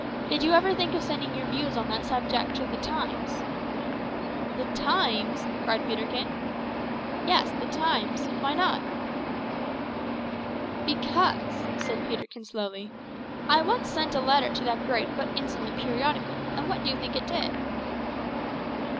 Did you ever think of sending your views on that subject to the Times?" "The Times!" cried Peterkin. "Yes, the Times; why not?" "Because," said Peterkin slowly, "I once sent a letter to that great but insolent periodical, and what do you think it did?"